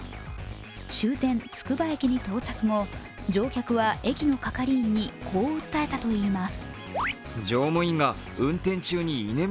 終点・つくば駅に到着後、乗客は駅の係員にこう訴えたといいます。